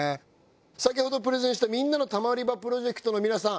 先ほどプレゼンしたみんなのたまり場プロジェクトの皆さん。